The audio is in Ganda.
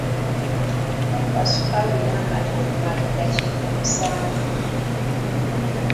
Fumba ssukaali n'amata okumala eddakika musanvu.